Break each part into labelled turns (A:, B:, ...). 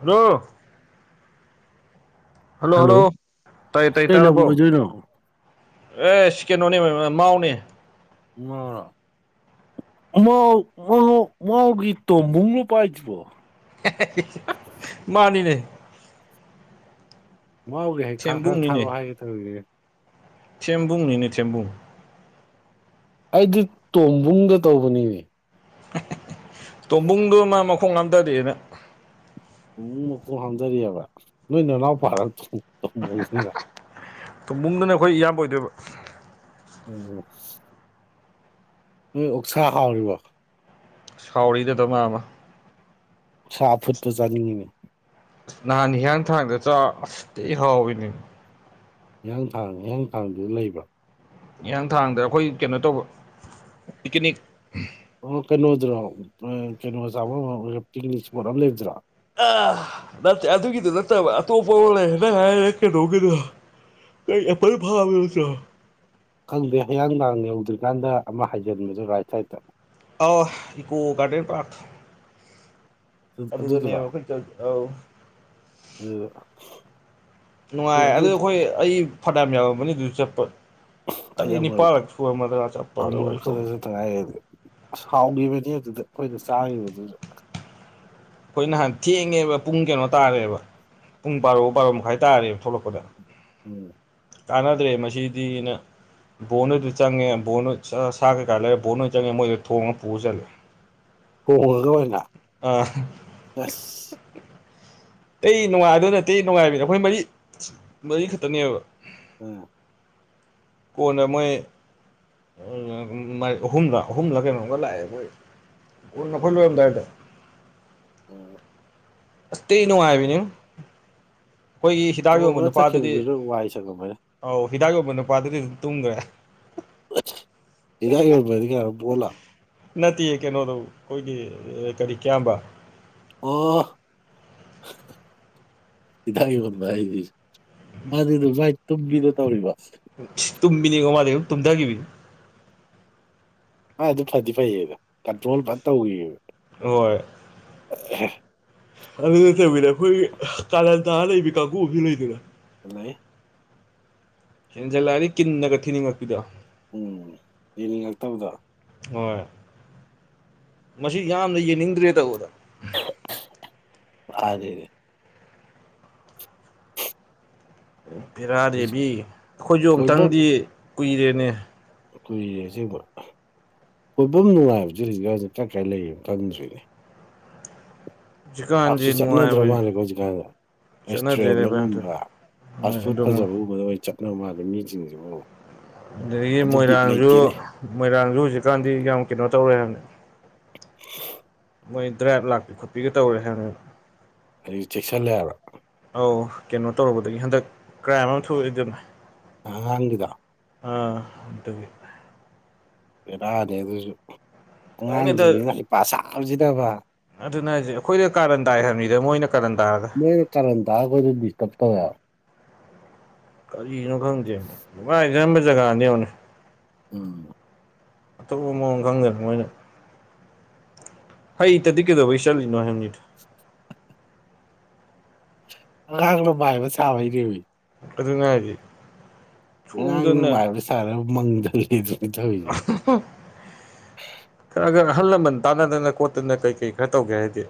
A: Hello hello hello ꯇꯥꯏꯌꯦ ꯇꯥꯏ
B: ꯀꯩ ꯂꯝ
A: ꯇꯥꯔꯕꯣ
B: ꯑꯣꯏꯗꯣꯏꯅꯣ
A: ꯑꯦꯁ ꯀꯦꯅꯣꯅꯦ ꯃꯥꯃꯥ ꯃꯥꯎꯅꯦ
B: ꯃꯥꯎꯔꯣ ꯃꯥꯎ ꯃꯥꯎ ꯃꯥꯎꯒꯤ ꯇꯣꯝꯕꯨꯡꯅ ꯄꯥꯏꯗ꯭ꯔꯦ
A: ꯃꯥꯅꯤꯅꯦ
B: ꯃꯥꯎꯒꯤ ꯍꯩꯈꯥ ꯈꯔ
A: ꯊꯦꯝꯕꯨꯡꯅꯤꯅꯦ
B: ꯊꯥꯔꯛꯑꯣ ꯍꯥꯏꯒꯦ ꯇꯧꯔꯤꯅꯦ
A: ꯊꯦꯝꯕꯨꯡꯅꯤꯅꯦ ꯊꯦꯝꯕꯨꯡ
B: ꯑꯩꯗꯤ ꯇꯣꯝꯕꯨꯡꯗ ꯇꯧꯕꯅꯤꯅꯦ
A: ꯇꯣꯝꯕꯨꯡꯗꯣ ꯃꯥ ꯃꯈꯣꯡ ꯍꯥꯝꯗꯔꯦꯅ
B: ꯇꯣꯝꯕꯨꯡ ꯃꯈꯣꯡ ꯍꯥꯥꯝꯗꯔꯦꯕ ꯅꯣꯏ ꯅꯅꯥꯎ ꯄꯥꯔ ꯇꯣꯝ ꯇꯣꯝꯕꯨꯡꯗꯨꯅ
A: ꯇꯣꯝꯕꯨꯡꯗꯨꯅ ꯑꯩꯈꯣꯏ ꯏꯌꯥꯝꯕ ꯑꯣꯏꯗꯣꯏꯕ
B: ꯎꯝ ꯅꯣꯏ ꯑꯣꯛꯁꯥ ꯍꯥꯎꯔꯤꯕꯣ
A: ꯍꯥꯎꯔꯤꯗ ꯗꯃꯥ ꯑꯃ
B: ꯁꯥ ꯑꯐꯨꯠꯄ ꯆꯥꯅꯤꯡꯉꯤꯅꯦ
A: ꯅꯍꯥꯟ ꯍꯤꯌꯥꯡꯊꯥꯡꯗ ꯆꯥ ꯑꯁ ꯊꯤ ꯍꯥꯎꯕꯤꯅꯤ
B: ꯍꯤꯌꯥꯡꯊꯥꯡ ꯍꯤꯌꯥꯡꯊꯥꯡꯗꯖꯨ ꯂꯩꯕ꯭ꯔꯣ
A: ꯍꯤꯌꯥꯡꯊꯥꯡꯗ ꯑꯩꯈꯣꯏ ꯀꯩꯅꯣ ꯇꯧꯕ ꯄꯤꯀꯅꯤꯛ
B: ꯑꯣ ꯀꯩꯅꯣꯗꯨꯔꯣ ꯑ ꯀꯩꯅꯣ ꯆꯥꯕꯝ [unintelligible] ꯄꯤꯛꯅꯤꯛ ꯏꯁꯄꯣꯠ ꯑꯃ ꯂꯩꯕꯗꯨꯔꯥ
A: ꯑ ꯅꯠꯇꯦ ꯑꯗꯨꯒꯤꯗꯣ ꯅꯠꯇꯕ ꯑꯇꯣꯞꯄ ꯑꯃ ꯂꯩ ꯅꯪ ꯍꯥꯏꯔꯤꯅ ꯀꯩꯅꯣꯒꯤꯗꯣ ꯀꯩ ꯑꯦꯄꯜ ꯐꯥꯝꯗꯣ ꯅꯇ꯭ꯔꯣ
B: ꯈꯪꯗꯦ ꯍꯤꯌꯥꯡꯊꯥꯡ ꯌꯧꯗ꯭ꯔꯤꯀꯥꯟꯗ ꯑꯃ ꯍꯥꯏꯖꯟꯕꯗꯣ ꯔꯥꯏꯠ ꯁꯥꯏꯠꯇ꯫
A: ꯑꯣ ꯏꯀꯣ ꯒꯥꯔꯗꯦꯟ ꯄꯥꯔꯛ
B: ꯑꯗꯨꯗꯨꯔꯣ
A: ꯑꯗꯨꯗꯅꯦꯕ ꯈꯣꯏ ꯆꯂꯤꯗꯣ ꯑꯧ
B: ꯎꯝ
A: ꯅꯨꯡꯉꯥꯏ ꯑꯗꯨ ꯑꯩꯈꯣꯏ ꯑꯩ ꯐꯅꯌꯥꯝ ꯌꯥꯃꯝꯃꯅꯤ ꯑꯗꯨ ꯆꯠꯄ
B: ꯑꯩ
A: ꯇꯔꯦꯠ
B: ꯑꯃꯨꯔꯛ
A: ꯅꯤꯄꯥꯜꯂꯛ ꯁꯨꯨꯔꯃꯗ꯭ꯔ ꯆꯠꯄꯗꯣ ꯑꯩꯁꯨ
B: ꯇꯉꯥꯏ ꯑꯁ ꯍꯥꯎꯈꯤꯕꯅꯤ ꯑꯗꯨꯗ ꯑꯩꯈꯣꯏꯅ ꯆꯥꯈꯤꯕꯗꯨꯁꯨ꯫
A: ꯈꯣꯏ ꯅꯍꯥꯟ ꯊꯦꯡꯉꯦꯕ ꯄꯨꯡ ꯀꯩꯅꯣ ꯇꯥꯔꯦꯕ꯫ ꯄꯨꯡ ꯕꯥꯔꯣ ꯕꯥꯔꯣ ꯃꯈꯥꯏ ꯇꯥꯔꯦꯕ ꯊꯣꯂꯛꯄꯗ꯫
B: ꯎꯝ
A: ꯀꯥꯟꯅꯗ꯭ꯔꯦ ꯃꯁꯤꯗꯤꯅ ꯕꯣꯟꯍꯣꯢꯗꯨ ꯆꯪꯉꯦ ꯕꯣꯜ ꯁꯥ ꯀꯩꯀꯥ ꯂꯩꯔꯦ ꯕꯣꯟ ꯑꯗꯨ ꯆꯪꯉꯦ ꯃꯣꯏꯗꯣ ꯊꯣꯡꯉꯒ ꯄꯨꯔ ꯆꯠꯂꯦ꯫
B: ꯊꯣꯡꯉꯒ ꯑꯣꯢꯅ
A: ꯑꯥ
B: ꯑꯁ
A: [inaudible] ꯑꯩ ꯅꯨꯡꯉꯥꯏꯗꯣꯏ ꯅꯠꯇ ꯊꯤꯅꯨꯉꯥꯏꯕꯤꯅꯦ ꯑꯩꯈꯣꯏ ꯃꯔꯤ ꯃꯔꯤꯈꯇꯅꯦꯕ꯫
B: ꯎꯝ
A: ꯀꯣꯟꯅ ꯃꯣꯏ ꯎꯝ ꯑꯍꯨꯝꯂ ꯑꯍꯨꯝꯂ ꯀꯩꯅꯣꯝꯒ ꯂꯥꯛꯑꯦ ꯃꯣꯏ ꯀꯣꯟꯅ ꯈꯣꯏ ꯂꯣꯏꯔꯝꯗꯥꯏꯗ꯫
B: ꯎꯝ
A: ꯑꯁ ꯊꯤ ꯅꯨꯡꯉꯥꯏꯕꯤꯅꯤꯉꯣ ꯈꯣꯏꯒꯤ ꯍꯤꯗꯥꯛ ꯌꯣꯟꯕ
B: ꯊꯣꯡꯉ
A: ꯅꯨꯄꯥꯗꯨꯗꯤ
B: ꯆꯠꯈꯤꯕꯗꯨꯅ ꯋꯥꯏ ꯁꯪꯉꯝꯃꯅꯤ
A: ꯑꯧ ꯍꯤꯗꯥꯛ ꯌꯣꯟꯕ ꯅꯨꯄꯥꯗꯨꯗꯤ ꯑꯗꯨꯝ ꯇꯨꯝꯒ꯭ꯔꯦ꯫
B: ꯍꯤꯗꯥꯛ ꯌꯣꯟꯕꯗꯤ ꯀꯥꯟꯅꯣ ꯄꯣꯟꯂ꯫
A: ꯅꯠꯇꯦ ꯀꯩꯅꯣꯗꯣ ꯈꯣꯏꯒꯤ ꯀꯔꯤ ꯀꯤꯌꯥꯝꯕ꯫
B: ꯑꯣ ꯍꯤꯗꯥꯛ ꯌꯣꯟꯕ ꯍꯥꯏꯗꯤ ꯃꯥꯗꯤ ꯅꯨꯐꯥꯢ ꯇꯨꯝꯕꯤꯗꯣ ꯇꯧꯔꯤꯕꯣ꯫
A: ꯇꯨꯝꯕꯤꯅꯤꯉꯣ ꯃꯥꯗꯤ ꯑꯗꯨꯝ ꯇꯨꯝꯗꯒꯤꯕꯤꯅꯤ꯫
B: ꯃꯥꯏ ꯑꯗꯨ ꯐꯗꯤ ꯐꯩꯌꯦꯗ ꯀꯟꯇ꯭ꯔꯣꯜ ꯐꯖꯅ ꯇꯧꯏꯕ꯫
A: ꯑꯣꯏ
B: ꯑꯦ ꯍꯩ
A: ꯑꯗꯨ ꯅꯠꯇꯕꯤꯗ ꯑꯩꯈꯣꯏꯒꯤ ꯀꯥꯔꯟ ꯇꯥ ꯂꯩꯕꯤ ꯀꯥꯡꯒꯨ ꯑꯃꯁꯨ ꯂꯩꯗꯅ꯫
B: ꯂꯩ
A: ꯌꯦꯟꯖꯤꯜꯂꯛꯑꯗꯤ ꯀꯤꯟꯅꯒ ꯊꯤꯅꯤꯡꯉꯛꯄꯤꯗꯣ꯫
B: ꯎꯝ ꯌꯦꯡꯅꯤꯡꯉꯛꯇꯕꯤꯗꯣ꯫
A: ꯍꯣꯏ ꯃꯁꯤ ꯌꯥꯝꯅ ꯌꯦꯡꯅꯤꯡꯗ꯭ꯔꯦ ꯇꯧꯕꯗꯣ
B: ꯃꯥꯅꯤꯅꯦ ꯍꯧꯖꯤꯛ
A: ꯕꯦꯔꯥꯅꯦꯃꯤ ꯑꯩꯈꯣꯏꯁꯨ
B: ꯀꯣꯏꯕꯝ
A: ꯑꯝꯇꯪꯗꯤ ꯀꯨꯏꯔꯦꯅꯦ
B: ꯀꯨꯏꯔꯦ ꯑꯁꯦꯡꯕ ꯀꯣꯏꯐꯝ ꯅꯨꯡꯉꯥꯏꯕꯁꯤ ꯍꯧꯖꯤꯛꯀꯥꯟꯖꯤ ꯀꯥꯏ ꯀꯥꯏ ꯂꯩꯔꯤꯌꯦ ꯈꯪꯗ꯭ꯔꯦꯅꯦ꯫ ꯄꯥꯛ
A: ꯍꯧꯖꯤꯛꯀꯥꯟꯁꯦ
B: ꯁꯨ ꯆꯠꯅꯗ꯭ꯔ
A: ꯅꯨꯡꯉꯥꯏꯕꯁꯦ
B: ꯃꯥꯜꯂꯦꯀꯣ ꯍꯧꯖꯤꯛꯀꯥꯟꯖꯦ꯫
A: ꯆꯠꯅꯗ꯭ꯔꯦꯅꯦ ꯚꯥꯏ ꯑꯝꯇ
B: ꯔꯦꯁꯇꯨꯔꯦꯟꯗꯒꯨꯝꯕ ꯐꯥꯁ
A: ꯍꯣꯏ
B: ꯐꯨꯗ
A: ꯑꯗꯨꯃꯛ
B: ꯐꯖꯕꯒꯨꯝꯕꯗ ꯑꯣꯏꯅ ꯆꯠꯅꯕ ꯃꯥꯜꯂꯦ ꯃꯤꯖꯤꯡꯖꯤꯕꯨ꯫
A: ꯑꯗꯒꯤ ꯃꯣꯏꯔꯥꯡꯖꯨ ꯃꯣꯏꯔꯥꯡꯖꯨ ꯍꯧꯖꯤꯛꯀꯥꯟꯗꯤ ꯌꯥꯝ ꯀꯩꯅꯣ ꯇꯧꯔꯦ ꯍꯥꯏꯕꯅꯦ꯫ ꯃꯣꯏ ꯗ꯭ꯔꯥꯏꯕ ꯂꯥꯛꯄꯤ ꯈꯣꯠꯄꯤꯒ ꯇꯧꯔꯦ ꯍꯥꯏꯕꯅꯦ꯫
B: ꯍꯧꯖꯤꯛ ꯆꯦꯛꯁꯜꯂꯦ ꯍꯥꯢꯕ꯭ꯔꯥ꯫
A: ꯑꯧ ꯀꯩꯅꯣ ꯇꯧꯔꯨꯕꯗꯒꯤ ꯍꯟꯗꯛ ꯀ꯭ꯔꯥꯏꯝ ꯑꯃ ꯊꯣꯛꯎꯕꯗꯩ ꯑꯗꯨꯝ꯫
B: ꯑꯉꯥꯡꯒꯤꯗꯣ
A: ꯑ ꯑꯗꯨꯒꯤ
B: ꯚꯦꯔꯥꯅꯦ ꯑꯗꯨꯖꯨ
A: ꯂꯣꯏꯅꯗ
B: ꯑꯉꯥꯡꯖꯤꯡꯁꯤꯅ ꯍꯩꯄꯥ ꯁꯥꯕꯁꯤꯗꯕ
A: ꯑꯗꯨꯅꯦ ꯍꯥꯢꯖꯦ ꯑꯩꯈꯣꯏꯗ ꯀꯥꯔꯟ ꯇꯥꯏ ꯍꯥꯏꯕꯅꯤꯗ ꯃꯣꯏꯅ ꯀꯥꯔꯟ ꯇꯥꯔꯒ
B: ꯈꫭꯏꯗ ꯀꯥꯔꯟ ꯇꯥꯔ ꯑꯩꯈꯣꯏꯗ ꯗꯤꯁꯇꯔꯕ ꯇꯧꯋꯦ
A: ꯀꯔꯤꯅꯣ ꯈꯪꯗꯦꯕ ꯅꯨꯡꯉꯥꯏꯖꯥꯥꯔꯝꯕ ꯖꯒꯥꯅꯦ ꯌꯦꯡꯎꯅꯦ
B: ꯎꯝ꯫
A: ꯑꯇꯣꯞꯄ ꯃꯑꯣꯡ ꯈꯪꯗꯦꯕ ꯃꯣꯏꯅ ꯍꯩꯇꯗꯤ ꯀꯩꯗꯧꯕꯩ ꯆꯠꯂꯤꯅꯣ ꯍꯥꯢꯕꯅꯤꯗ
B: ꯑꯉꯥꯡꯅ ꯃꯥꯏꯕ ꯁꯥꯥꯕꯩꯅꯦꯃꯦ
A: ꯑꯗꯨꯅꯦ ꯍꯥꯢꯖꯤ
B: ꯑꯉꯥꯡꯅ ꯃꯥꯏꯕ ꯁꯥꯔ ꯃꯪ ꯊꯜꯂꯦꯗꯣ
A: [inaudible] ꯈꯔ ꯈꯔ ꯑꯍꯜ ꯂꯃꯟ ꯇꯥꯟꯅꯗꯅ ꯈꯣꯠꯇꯅ ꯀꯩ ꯀꯩ ꯈꯔ ꯇꯧꯒꯦ ꯍꯥꯏꯗꯦ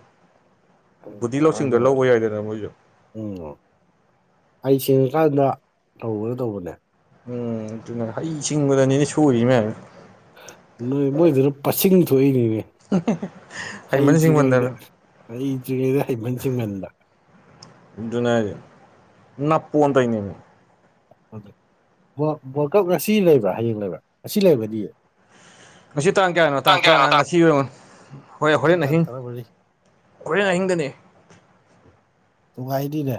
B: ꯑ ꯀꯥꯟꯅꯗꯕ
A: ꯌꯥꯏꯗꯅ ꯃꯣꯏꯁꯨ
B: ꯎꯝ ꯍꯩ ꯁꯤꯡꯉꯤꯀꯥꯟꯗ ꯇꯧꯕꯅ ꯇꯧꯕꯅꯦ
A: ꯎꯝ ꯑꯗꯨꯅꯦ ꯍꯩ ꯍꯩꯁꯤꯡꯕꯗꯅꯤꯅꯦ ꯁꯣꯏꯔꯤ ꯃꯌꯥꯝ
B: ꯅꯣꯏ ꯃꯣꯏꯗꯨꯅ ꯄꯁꯤꯡ ꯊꯣꯛꯏꯅꯤꯅꯦ
A: ꯍꯩꯃꯟ
B: ꯍꯩꯇ꯭ꯔꯤꯉꯩꯗ
A: ꯁꯤꯡꯃꯟꯗꯅ
B: ꯍꯩꯇ꯭ꯔꯤꯉꯩꯗ ꯍꯩꯃꯟ ꯁꯤꯡꯃꯟꯕ
A: ꯑꯗꯨꯅꯦ ꯍꯥꯢꯖꯦ ꯅꯥꯞꯄꯣꯅ ꯇꯧꯏꯅꯦꯃꯤ
B: ꯑꯗꯨ ꯋꯥꯔꯜ ꯋꯥꯔꯜꯗ ꯀꯞ ꯉꯁꯤ ꯂꯩꯕ꯭ꯔꯥ ꯍꯌꯦꯡ ꯂꯩꯕ꯭ꯔꯥ ꯉꯁꯤ ꯂꯩꯔꯝꯒꯅꯤꯌꯦ
A: ꯉꯁꯤ ꯇꯥꯡ ꯀꯌꯥꯅꯣ ꯇꯥꯡ ꯇ꯭ꯔꯥꯉꯥ ꯉꯁꯤ ꯑꫭꯏꯔꯝꯃꫭꯏ ꯍꯣꯏ
B: ꯉꯁꯤ
A: ꯍꯣꯔꯦꯟ
B: ꯇꯥꯡ
A: ꯑꯍꯤꯡ
B: ꯇꯔꯥꯃꯔꯤ
A: ꯍꯣꯔꯦꯟ ꯑꯍꯤꯡꯗꯅꯦ
B: ꯅꯨꯡꯉꯥꯢꯅꯤꯅꯦ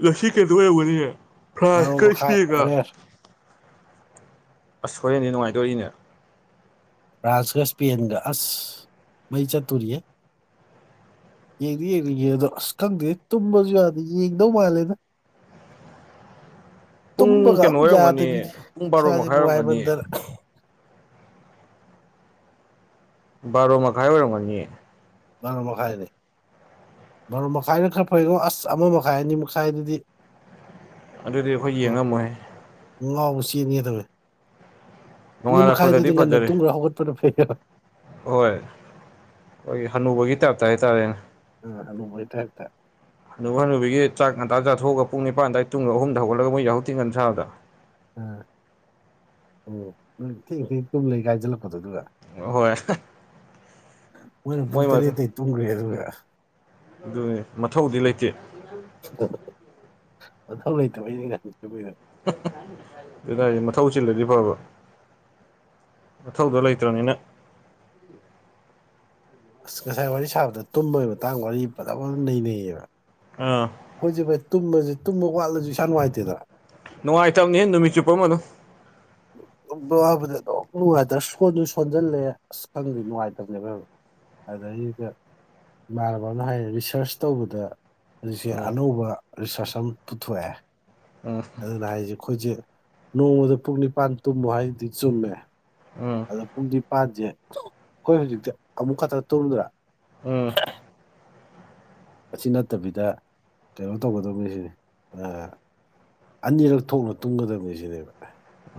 A: ꯉꯁꯤ ꯀꯩꯅꯣ ꯑꯣꯏꯔꯝꯒꯅꯤꯌꯦ
B: ꯕꯥꯔꯣ
A: ꯐ꯭ꯔꯥꯟꯁꯀ
B: ꯃꯈꯥꯏ
A: ꯏꯁ꯭ꯄꯦꯟꯒ
B: ꯍꯣꯔꯦꯟ
A: ꯑꯁ ꯍꯣꯔꯦꯟꯗꯤ ꯅꯨꯡꯉꯥꯏꯗꯣꯔꯤꯅꯦ
B: ꯐ꯭ꯔꯥꯟꯁꯀ ꯏꯁ꯭ꯄꯦꯟꯒ ꯑꯁ ꯃꯩ ꯆꯠꯇꯣꯔꯤꯌꯦ ꯌꯦꯡꯗꯤ ꯌꯦꯡꯅꯤꯡꯉꯦ ꯑꯗꯣ ꯑꯁ ꯈꯪꯗꯦ ꯇꯨꯝꯕꯁꯨ ꯌꯥꯗꯦ ꯌꯦꯡꯗꯧ ꯃꯥꯜꯂꯦꯗ
A: ꯄꯨꯡ
B: ꯇꯨꯝꯕꯒ ꯑꯝ
A: ꯀꯩꯅꯣ
B: ꯌꯥꯗꯕꯤꯅꯦ
A: ꯑꯣꯏꯔꯝꯒꯅꯤ ꯄꯨꯡ
B: ꯏꯁꯥꯖꯦ
A: ꯃꯈꯥꯏ ꯑꯣꯏꯔꯝꯒꯅꯤ
B: ꯅꯨꯉꯥꯢꯃꯥꯟꯗꯅ
A: ꯕꯥꯔꯣ ꯃꯈꯥꯏ ꯑꯣꯏꯔꯝꯒꯅꯤꯌꯦ
B: ꯕꯥꯔꯣ ꯃꯈꯥꯏꯅꯦ ꯕꯥꯔꯣ ꯃꯈꯥꯏꯅ ꯈꯔ ꯐꯩꯉꯣ ꯑꯁ ꯑꯃ ꯃꯈꯥꯏ ꯑꯅꯤ ꯃꯈꯥꯏꯗꯨꯗꯤ
A: ꯑꯗꯨꯗꯤ ꯑꯩꯈꯣꯏ ꯌꯦꯡꯉꯝꯃꯣꯏꯍꯦ
B: ꯉꯥꯎꯔ ꯆꯦꯟꯒꯦ ꯇꯧꯋꯦ ꯑꯅꯤ ꯃꯈꯥꯏꯗꯨꯗꯤ
A: ꯅꯣꯡꯉꯥꯜꯂꯛꯄꯗꯗꯤ
B: ꯉꯥꯟꯅ
A: ꯐꯖꯔꯦ
B: ꯇꯨꯝꯒ꯭ꯔꯥ ꯍꯧꯒꯠꯄꯅ ꯐꯩ
A: ꯍꯣꯏ ꯑꯩꯈꯣꯏꯒꯤ ꯍꯅꯨꯕꯒꯤ ꯇꯥꯏꯞꯇ ꯍꯥꯏꯇꯥꯔꯦꯅꯦ
B: ꯑꯥ ꯍꯅꯨꯕꯩ ꯇꯥꯏꯞꯇꯥ
A: ꯍꯅꯨꯕꯥ ꯍꯅꯨꯕꯤꯒꯤ ꯆꯥꯛ ꯉꯥꯟꯇ ꯆꯥꯊꯣꯛꯑꯒ ꯄꯨꯡꯅꯤꯄꯥꯟ ꯑꯗꯥꯏ ꯇꯨꯝꯒ꯭ꯔꯥ ꯑꯍꯨꯝꯗꯥ ꯍꯧꯒꯥꯠꯂꯒ ꯃꯣꯏ ꯌꯥꯍꯧ ꯊꯤꯉꯥꯟꯕ ꯁꯥꯕꯗꯣ
B: ꯑꯥ ꯑꯣ ꯅꯣꯏ ꯊꯦꯡ ꯊꯦꯡ ꯇꯨꯝ ꯂꯩ ꯀꯥꯏ ꯍꯥꯏꯖꯤꯜꯂꯛꯄꯗꯣ ꯑꯗꯨꯒ
A: ꯍꯣꯏ
B: ꯃꯣꯏꯅ ꯄꯨꯡ
A: ꯃꯣꯏ
B: ꯇꯔꯦꯠꯇꯩ ꯇꯨꯝꯒ꯭ꯔꯦ ꯑꯗꯨꯒ
A: ꯑꯗꯨꯅꯦ ꯃꯊꯧꯗꯤ ꯂꯩꯇꯦ
B: ꯃꯊꯧꯂꯩꯇꯕꯩꯅꯦ ꯉꯥꯟꯅ ꯇꯨꯝꯃꯤꯗꯣ
A: ꯑꯗꯨꯅꯦ ꯍꯥꯏꯖꯦ ꯃꯊꯧ ꯆꯤꯜꯂꯗꯤ ꯐꯥꯕ ꯃꯊꯧꯗꯣ ꯂꯩꯇ꯭ꯔꯥꯝꯅꯤꯅ
B: ꯑꯁ ꯉꯁꯥꯏ ꯋꯥꯔꯤ ꯁꯥꯕꯗ ꯇꯨꯝꯕꯩ ꯃꯇꯥꯡ ꯋꯥꯔꯤ ꯐꯖꯕꯃꯥ ꯅꯩꯅꯩꯌꯦꯕ
A: ꯑꯥ
B: ꯑꯈꯣꯏꯖꯦ ꯕꯥꯏ ꯇꯨꯝꯃꯖꯦ ꯇꯨꯝꯕ ꯋꯥꯠꯂꯖꯨ ꯏꯁꯥ ꯅꯨꯡꯉꯥꯏꯇꯦꯅ
A: ꯅꯨꯡꯉꯥꯏꯇꯝꯅꯤꯍꯦ ꯅꯨꯃꯤꯠ ꯆꯨꯞꯄ ꯑꯃ ꯑꯗꯨꯝ꯫
B: ꯕꯥꯕꯨꯗꯤ ꯑꯗꯨꯝ ꯅꯨꯡꯉꯥꯏꯇ꯭ꯔ ꯁꯣꯟꯖꯨ ꯁꯣꯟꯖꯜꯂꯦ ꯑꯁ ꯈꯪꯗꯦ ꯅꯨꯡꯉꯥꯏꯇꯝꯅꯦꯕ ꯌꯥꯝꯅ꯫ ꯑꯗꯩꯗ ꯏꯃꯥꯟꯅꯕꯥꯅꯝꯅ ꯍꯥꯏꯅꯦ ꯔꯤꯁꯥꯔꯁ ꯇꯧꯕꯗ ꯍꯧꯖꯤꯛꯁꯦ
A: ꯎꯝ
B: ꯑꯅꯧꯕ ꯔꯤꯁꯥꯔꯁ ꯑꯝ ꯄꯨꯊꯣꯛꯑꯦ꯫ ꯑꯗꯨꯅ ꯍꯥꯏꯖꯦ ꯈꯣꯏꯖꯦ ꯅꯣꯡꯃꯗ ꯄꯨꯡ ꯅꯤꯄꯥꯟ ꯇꯨꯝꯃꯣ ꯍꯥꯏꯗꯨꯗꯤ ꯆꯨꯝꯃꯦ꯫
A: ꯎꯝ
B: ꯑꯗꯣ ꯄꯨꯡ ꯅꯤꯄꯥꯟꯖꯦ ꯑꯈꯣꯏ ꯍꯧꯖꯤꯛꯇꯤ ꯑꯃꯨꯛ ꯈꯥꯛꯇ ꯇꯧꯝꯗ꯭ꯔꯥ
A: ꯑ
B: ꯑꯁꯤ ꯅꯠꯇꯕꯤꯗ ꯀꯩꯅꯣ ꯇꯧꯒꯗꯧꯅꯤꯁꯤꯅꯤ ꯑꯥ ꯑꯅꯤꯔꯛ ꯊꯣꯛꯅ ꯇꯨꯝꯒꯗꯕꯅꯦ ꯁꯤꯅꯦꯕ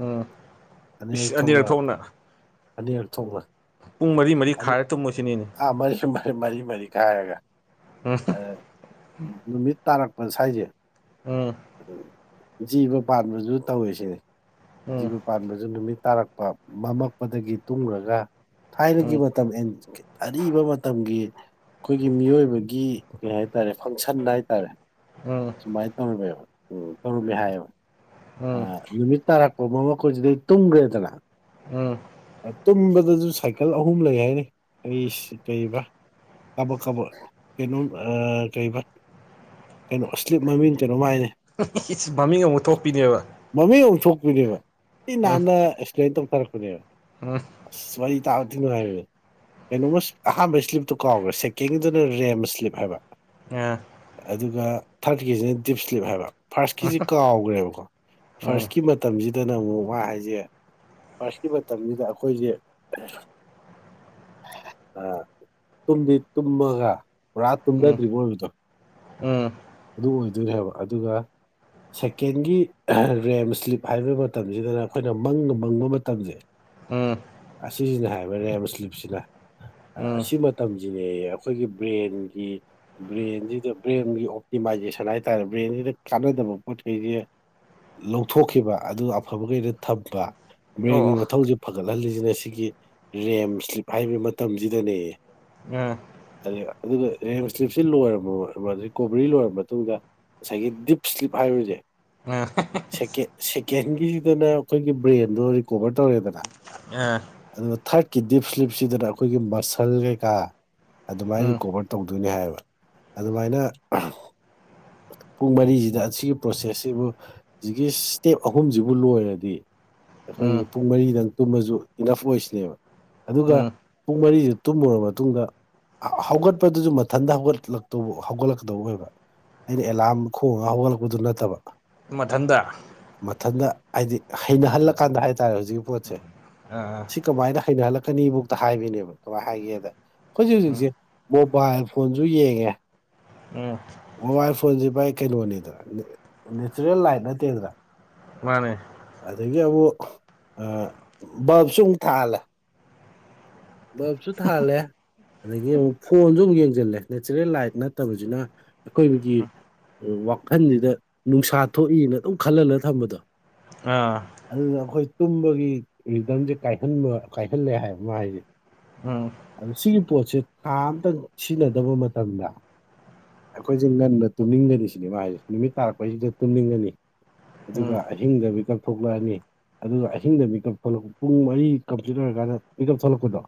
A: ꯑ ꯏꯁ ꯑꯅꯤꯔꯥꯛ ꯊꯣꯛꯅ
B: ꯑꯅꯤꯔꯥꯛ ꯊꯣꯛꯅ
A: ꯄꯨꯡ ꯃꯔꯤ ꯃꯔꯤ ꯈꯥꯏꯔ ꯇꯨꯝꯃꯣꯁꯤꯅꯤꯅꯦ
B: ꯑꯥ ꯃꯔꯤꯃꯥ ꯃꯔꯤ ꯃꯔꯤ ꯈꯥꯏꯔꯒ
A: [unintelligible]
B: ꯑꯥ ꯅꯨꯃꯤꯠ ꯇꯥꯔꯛꯄ ꯁꯥꯏꯖꯦ
A: ꯎꯝ
B: ꯖꯤꯕ ꯄꯥꯟꯕꯖꯨ ꯇꯧꯋꯤ ꯁꯤꯅꯤ ꯖꯤꯕ
A: ꯎꯝ
B: ꯄꯥꯟꯕꯖꯨ ꯅꯨꯃꯤꯠ ꯇꯥꯔꯛ ꯄꯥ ꯃꯝꯃꯥꯛꯄꯗꯒꯤ ꯇꯨꯝꯒ꯭ꯔꯥꯒ ꯊꯥꯏꯅꯒꯤ ꯃ ꯇꯝ ꯑꯦꯟ ꯑꯥꯔꯤꯕ ꯃꯇꯝꯒꯤ ꯑꯈꯣꯏꯒꯤ ꯃꯤꯑꯣꯏꯕꯒꯤ ꯀꯩ ꯍꯥꯏꯇꯥꯔꯦ ꯐꯪꯁꯟ ꯍꯥꯏꯇꯥꯔꯦ
A: ꯎꯝ
B: ꯑꯗꯨꯃꯥꯏ ꯇꯧꯔꯝꯃꯦꯕ ꯎꯝ ꯇꯧꯔꯝꯃꯦ ꯍꯥꯏꯌꯦꯕ
A: ꯎꯝ
B: ꯑꯥ ꯅꯨꯃꯤꯠ ꯇꯥꯔꯛꯄꯥ ꯃꯝꯃꯛꯄ ꯖꯤꯗ ꯇꯨꯝꯒ꯭ꯔꯦꯗꯅ
A: ꯎꯝ
B: ꯑ ꯇꯨꯝꯕꯗꯖꯨ ꯁꯥꯏꯀꯥꯜ ꯑꯍꯨꯝ ꯂꯩ ꯍꯥꯏꯅꯦ ꯑꯩꯁ ꯀꯩꯕ ꯀꯥꯕꯛ ꯀꯥꯕꯛ ꯀꯩꯅꯣꯝ ꯑꯥ ꯀꯩꯕ ꯀꯩꯅꯣ ꯏꯁꯂꯤꯞ ꯃꯃꯤꯡ ꯀꯩꯅꯣꯝ ꯃꯥꯏꯅꯦ
A: ꯃꯃꯤꯡ ꯑꯃꯨꯛ ꯊꯣꯛꯄꯤꯅꯦꯕ
B: ꯃꯃꯤꯡ ꯑꯃꯨꯛ ꯊꯣꯛꯄꯤꯅꯦꯕ ꯊꯤ ꯅꯥꯟꯅ ꯑꯦꯛꯁꯄ꯭ꯂꯦꯟ ꯇꯧꯊꯔꯛꯄꯅꯦꯕ꯫
A: ꯑꯥ
B: ꯑꯁ ꯋꯥꯔꯤ ꯇꯥꯕ ꯊꯤꯅꯨꯡꯉꯥꯏꯕꯤꯅꯦ꯫ ꯀꯩꯅꯣꯝꯃꯥꯁ ꯑꯍꯥꯟꯕ ꯏꯁꯂꯤꯞꯇꯣ ꯀꯥꯎꯒ꯭ꯔꯦ ꯁꯦꯀꯦꯟꯒꯤꯗꯨꯅ ꯔꯦꯝ ꯏꯁꯂꯤꯞ ꯍꯥꯏꯕ꯫
A: ꯑꯥ
B: ꯑꯗꯨꯒ ꯊꯥꯔꯠꯀꯤꯖꯤꯅ ꯗꯤꯞꯏꯁꯂꯤꯞ ꯍꯥꯏꯕ ꯐꯥꯔꯁꯀꯤꯖꯤ ꯀꯥꯎꯒ꯭ꯔꯦꯕꯀꯣ
A: ꯎꯝ
B: ꯐꯥꯔꯁꯀꯤ ꯃꯠ ꯇꯝꯖꯤꯗꯅ ꯑꯃꯨꯛ ꯃ ꯍꯥꯏꯖꯦ ꯐꯥꯔꯁꯀꯤ ꯃꯇꯝꯖꯤꯗ ꯑꯩꯈꯣꯏꯖꯦ ꯑꯥ ꯇꯨꯝꯗꯤ ꯇꯨꯝꯃꯒ ꯄꯨꯔꯥ
A: ꯎꯝ
B: ꯇꯨꯝꯗꯗ꯭ꯔꯤꯕ ꯑꯣꯏꯕꯗꯣ꯫
A: ꯎꯝ
B: ꯑꯗꯨ ꯑꯣꯏꯗꯣꯏꯅꯦꯕ ꯍꯥꯏꯕ ꯑꯗꯨꯒ ꯁꯦꯀꯦꯟꯒꯤ ꯔꯦꯝ ꯁ꯭ꯂꯤꯞ ꯍꯥꯏꯕ ꯃꯇꯝꯁꯤꯗꯅ ꯑꯈꯣꯏꯅ ꯃꯪꯒ ꯃꯪꯕ ꯃꯇꯝꯖꯦ
A: ꯎꯝ
B: ꯑꯁꯤꯖꯤꯅ ꯍꯥꯏꯌꯦꯕ ꯔꯦꯝ ꯁꯂꯤꯞꯁꯤꯅ ꯁꯤꯅꯥ ꯑꯥ
A: ꯎꯝ
B: ꯑꯁꯤ ꯃ ꯇꯝꯖꯤꯌꯦꯌꯦ ꯑꯈꯣꯏꯒꯤ ꯕ꯭ꯔꯦꯟꯒꯤ ꯕ꯭ꯔꯦꯟꯁꯤꯗ ꯕ꯭ꯔꯦꯟꯒꯤ ꯑꯣꯞ ꯗꯤꯃꯥꯏꯖꯦꯁꯟ ꯍꯥꯏꯇꯥꯔꯦ ꯕ꯭ꯔꯦꯟꯖꯤꯗ ꯀꯥꯟꯅꯗꯕ ꯄꯣꯠꯈꯩꯁꯦ ꯂꯧꯊꯣꯛꯈꯤꯕ ꯑꯗꯨ ꯑꯐꯕꯒꯩꯗ ꯊꯝꯕ ꯕ꯭ꯔꯦꯟꯒꯤ
A: ꯑꯣ
B: ꯃꯊꯧꯁꯦ ꯐꯒꯠꯍꯜꯂꯤꯁꯤꯅ ꯁꯤꯒꯤ ꯔꯦꯝ ꯁ꯭ꯂꯤꯞ ꯍꯥꯏꯔꯤꯕ ꯃꯇꯝꯁꯤꯗꯅꯦ
A: ꯑ
B: ꯑꯗꯨꯒ ꯑꯗꯨꯅ ꯔꯦꯝ ꯁ꯭ꯂꯤꯞꯁꯤ ꯂꯣꯏꯔꯕꯣꯕ [unintelligible] ꯃꯔꯤ ꯂꯣꯏꯔꯕ ꯃꯇꯨꯡꯗ ꯉꯁꯥꯏꯒꯤ ꯗꯤꯞ ꯏꯁ꯭ꯂꯤꯞ ꯍꯥꯏꯔꯁꯦ
A: [unintelligible]
B: ꯁꯦꯀꯦꯟ ꯁꯦꯀꯦꯟꯒꯤꯗꯅ ꯑꯈꯣꯏꯒꯤ ꯕ꯭ꯔꯦꯟꯗꯣ ꯔꯤꯀꯣꯕꯔ ꯇꯧꯔꯦꯗꯅ
A: ꯑ
B: ꯑꯗꯨꯒ ꯊꯥꯔꯠꯀꯤ ꯗꯤꯞ ꯁ꯭ꯂꯤꯞꯁꯤꯗꯅ ꯑꯈꯣꯏꯒꯤ ꯃꯁꯜ ꯀꯩꯀꯥ ꯑꯗꯨꯃꯥꯏꯅ
A: ꯎꯝ
B: ꯔꯤꯀꯣꯕ꯭ꯔ ꯇꯧꯗꯣꯏꯅꯤ ꯍꯥꯏꯕ ꯑꯗꯨꯃꯥꯏꯅ ꯑꯥ ꯄꯨꯡ ꯃꯔꯤꯖꯤꯗ ꯑꯁꯤꯒꯤ ꯄ꯭ꯔꯣꯁꯦꯁꯁꯤꯕꯨ ꯖꯤꯛꯀꯤ ꯁꯇꯦꯞ ꯑꯍꯨꯝꯖꯤꯕꯨ ꯂꯣꯏꯔꯗꯤ ꯑꯈꯣꯏꯒꯤ
A: ꯎꯝ
B: ꯄꯨꯡ ꯃꯔꯤꯗꯪ ꯇꯨꯝꯃꯁꯨ ꯏꯅꯐ ꯑꯣꯏꯁꯤꯅꯦꯕ ꯑꯗꯨꯒ
A: ꯎꯝ
B: ꯄꯨꯡ ꯃꯔꯤꯗꯨ ꯇꯨꯝꯃꯨꯔ ꯃꯇꯨꯡꯗ ꯍꯧꯒꯠꯄꯗꯨꯁꯨ ꯃꯊꯟꯇ ꯍꯧꯒꯠꯂꯛꯇꯨ ꯍꯧꯒꯠ ꯗꯧ ꯑꯣꯏꯕ ꯑꯩꯅ ꯑꯦꯂꯥꯝ ꯈꯣꯡꯉꯒ ꯍꯧꯒꯠꯂꯛꯄꯗꯨ ꯅꯠꯇꯕ
A: ꯃꯊꯟꯗ
B: ꯃꯊꯟꯗ ꯍꯥꯏꯗꯤ ꯍꯩꯅꯍꯜꯂꯀꯥꯟꯗ ꯍꯥꯏꯇꯥꯔꯦ ꯍꯖꯤꯛꯀꯤ ꯄꯣꯠꯁꯦ
A: ꯑ
B: ꯀꯃꯥꯏꯅ ꯍꯩꯅꯍꯜꯂꯛꯀꯅꯤꯕꯧꯗ ꯍꯥꯏꯕꯤꯅꯦꯕ ꯀꯃꯥꯏ ꯍꯥꯏꯒꯦꯗ ꯈꯣꯏꯖꯤ
A: ꯎꯝ
B: ꯍꯧꯖꯤꯛꯁꯦ ꯃꯣꯕꯥꯏꯜ ꯐꯣꯟꯁꯨ ꯌꯦꯡꯉꯦ
A: ꯑꯥ
B: ꯃꯣꯕꯥꯏꯜ ꯐꯣꯟꯁꯦ ꯚꯥꯏ ꯀꯩꯅꯣꯅꯤꯗ ꯅꯦ ꯅꯦꯆꯔꯦꯜ ꯂꯥꯏꯠ ꯅꯠꯇꯦꯗꯅ
A: ꯃꯥꯅꯦ
B: ꯑꯗꯒꯤ ꯑꯃꯨꯛ ꯑꯥ ꯕꯜꯞꯁꯨ ꯑꯃꯨꯛ ꯊꯥꯜꯂꯦ ꯕꯜꯕꯁꯨ ꯊꯥꯜꯂꯦ ꯑꯗꯒꯤ ꯑꯃꯨꯛ ꯐꯣꯟꯁꯨ ꯑꯃꯨꯛ ꯌꯦꯡꯖꯜꯂꯦ ꯅꯦꯆꯔꯦꯜ ꯂꯥꯏꯠ ꯅꯠꯇꯕꯁꯤꯅ ꯑꯩꯀꯣꯏꯕꯒꯤ ꯋꯥꯈꯟꯁꯤꯗ ꯅꯨꯡꯁꯥ ꯊꯣꯛꯏꯅ ꯑꯗꯨꯝ ꯈꯜꯍꯜꯂꯒ ꯊꯝꯕꯗꯣ
A: ꯑꯥ
B: ꯑꯗꯨꯗ ꯑꯈꯣꯏ ꯇꯨꯝꯕꯒꯤ ꯔꯤꯗꯝꯁꯦ ꯀꯥꯏꯍꯟꯕ ꯀꯥꯏꯍꯜꯂꯦ ꯍꯥꯏꯕ ꯃꯥ ꯍꯥꯏꯁꯦ
A: ꯑꯥ
B: ꯑꯗ ꯁꯤꯒꯤ ꯄꯣꯠꯁꯦ ꯊꯥ ꯑꯝꯇꯪ ꯁꯤꯖꯤꯟꯅꯗꯕ ꯃꯇꯝꯗ ꯑꯈꯣꯏꯖꯤ ꯉꯟꯗ ꯇꯨꯝꯅꯤꯡꯒꯅꯤ ꯁꯤꯅꯦ ꯃꯥ ꯍꯥꯏꯖꯦ ꯅꯨꯃꯤꯠ ꯇꯥꯔꯛꯄꯩꯁꯤꯗ ꯇꯨꯝꯅꯤꯡꯒꯅꯤ ꯑꯗꯨꯒ
A: ꯎꯝ
B: ꯑꯍꯤꯡꯗ ꯃꯤ ꯀꯞꯊꯣꯛꯂꯛꯑꯅꯤ ꯑꯗꯨꯒ ꯑꯍꯤꯡꯗ ꯃꯤ ꯀꯞ ꯊꯣꯛꯂꯛꯄ ꯄꯨꯡ ꯃꯔꯤ ꯀꯝꯄ꯭ꯂꯤꯠ ꯂꯣꯏꯔꯀꯥꯟꯗ ꯃꯤ ꯀꯞ ꯊꯣꯂꯛꯄꯗꯣ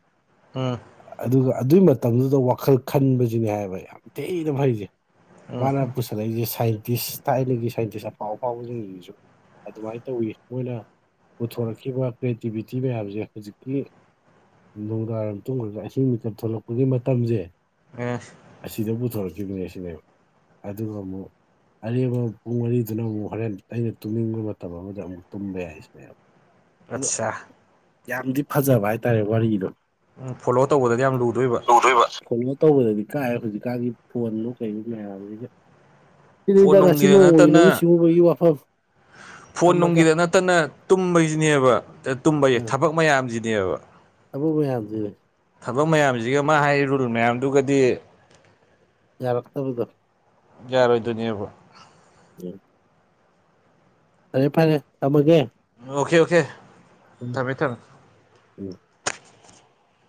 A: ꯎꯝ
B: ꯑꯗꯨꯒ ꯑꯗꯨ ꯃꯇꯝꯗꯨꯗ ꯋꯥꯈꯜ ꯈꯟꯕꯖꯤꯅꯦ ꯍꯥꯏꯕ ꯌꯥꯝ ꯊꯤꯅ ꯐꯩꯁꯦ
A: ꯎꯝ
B: ꯃꯥꯅ ꯄꯨꯁꯜꯂꯛꯏꯁꯦ ꯁꯥꯏꯟꯇꯤꯁ ꯊꯥꯏꯅꯒꯤ ꯁꯥꯏꯟꯇꯤꯁ ꯑꯐꯥꯎꯕ ꯑꯐꯥꯎꯕꯁꯤꯡꯖꯤꯖꯨ ꯑꯗꯨꯃꯥꯏ ꯇꯧꯋꯤ ꯃꯣꯏꯅ ꯄꯨꯊꯣꯔꯛꯈꯤꯕ ꯀ꯭ꯔꯤꯇꯤꯚꯤꯇꯤ ꯃꯌꯥꯝꯁꯦ ꯍꯨꯖꯤꯛꯀꯤ ꯅꯨꯡꯗꯥꯡꯋꯥꯏꯔꯝ ꯇꯨꯝꯈ꯭ꯔꯒ ꯑꯍꯤꯡ ꯃꯤꯀꯞ ꯊꯣꯛꯂꯛꯄꯒꯤ ꯃꯇꯝꯖꯦ
A: ꯑꯦ
B: ꯑꯁꯤꯗ ꯄꯨꯊꯣꯔꯛꯈꯤꯕꯅꯦ ꯁꯤꯅꯦꯕ ꯑꯗꯨꯒ ꯑꯃꯨꯛ ꯑꯔꯦꯝꯕ ꯄꯨꯡ ꯃꯔꯤꯗꯨꯅ ꯑꯃꯨꯛ ꯍꯣꯔꯦꯟ ꯑꯩꯅ ꯇꯨꯝꯅꯤꯡꯕ ꯃꯇꯝ ꯑꯃꯗ ꯑꯃꯨꯛ ꯇꯨꯝꯕ ꯌꯥꯏ [unintelligible] ꯑꯗꯣ
A: ꯑꯠꯁꯥ
B: ꯌꯥꯝꯗꯤ ꯐꯖꯕ ꯍꯥꯏꯇꯥꯔꯦ ꯋꯥꯔꯤꯗꯣ
A: ꯎꯝ ꯐꯣꯂꯣ ꯇꯧꯕꯗꯗꯤ ꯌꯥꯝ ꯂꯨꯗꯣꯏꯕ
B: ꯇꯨꯗꯣꯢꯕ ꯀꯩꯅꯣ ꯇꯧꯕꯗꯗꯤ ꯀꯥꯏꯌꯦꯕ ꯍꯧꯖꯤꯛꯀꯥꯟꯒꯤ ꯐꯣꯟ ꯋꯣ ꯀꯩ ꯋꯣ ꯃꯌꯥꯝꯖꯤꯒ ꯁꯤꯅꯤꯗ
A: ꯐꯣꯟ
B: ꯉꯁꯤ
A: ꯅꯨꯡꯒꯤꯗ
B: ꯅꯣꯡꯃꯒꯤ ꯂꯧꯎ
A: ꯅꯠꯇꯅ
B: ꯁꯤꯡꯎꯕꯒꯤ ꯋꯥꯐꯝ
A: ꯐꯣꯟ
B: ꯊꯝꯃꯒꯦ
A: ꯅꯨꯡꯒꯤꯗ ꯅꯠꯇꯅ ꯇꯨꯝꯕꯩꯖꯨꯅꯦꯕ ꯗ
B: ꯑ
A: ꯇꯨꯝꯕꯌꯦ ꯊꯕꯛ ꯃꯌꯥꯝꯖꯤꯅꯦꯕ
B: ꯊꯕꯛ ꯃꯌꯥꯝꯖꯦ
A: ꯊꯕꯛ ꯃꯌꯥꯝꯖꯤꯒ ꯃꯥ ꯍꯥꯏ ꯔꯨꯜ ꯃꯌꯥꯝꯗꯨꯒꯗꯤ
B: ꯌꯥꯔꯛꯇꯕꯗꯣ
A: ꯌꯥꯔꯣꯏꯗꯨꯏꯅꯦꯕ
B: ꯎꯝ ꯐꯔꯦ ꯐꯔꯦ ꯊꯝꯃꯒꯦ
A: ꯑꯣꯈꯦ ꯑꯣꯈꯦ
B: [inaudible]
A: ꯊꯝꯃꯦ ꯊꯝꯃꯦ
B: ꯎꯝ